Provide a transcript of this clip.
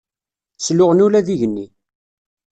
Sluɣen ula d igenni.